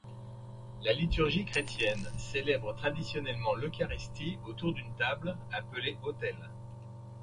La liturgie chrétienne célèbre traditionnellement l'eucharistie autour d'une table, appelée autel.